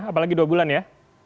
apalagi dua bulan ya